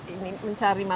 ini mencari masalah